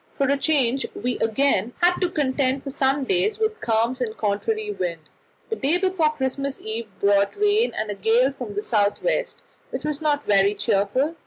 For a change we again had to contend for some days with calms and contrary wind. The day before Christmas Eve brought rain and a gale from the south west, which was not very cheerful.